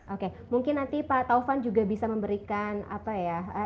oke mungkin nanti pak taufan juga bisa memberikan apa ya